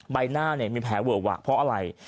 ใบหน้ามีแผลเวอะวะเพราะอะไร